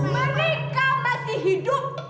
mereka masih hidup